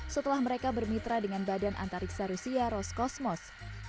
setelah mereka bermitra dengan badan antariksa rusia roskosmos